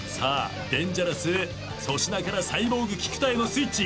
デンジャラス粗品からサイボーグ菊田へのスイッチ。